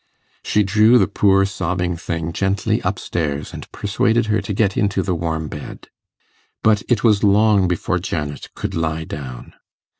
She drew the poor sobbing thing gently up stairs, and persuaded her to get into the warm bed. But it was long before Janet could lie down.